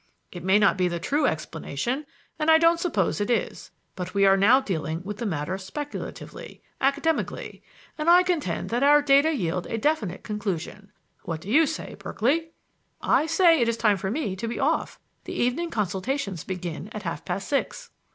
It may not be the true explanation, and I don't suppose it is. But we are now dealing with the matter speculatively, academically, and I contend that our data yield a definite conclusion. What do you say, Berkeley?" "I say that it is time for me to be off; the evening consultations begin at half past six."